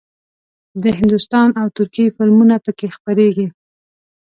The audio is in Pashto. د هندوستان او ترکیې فلمونه پکې خپرېږي.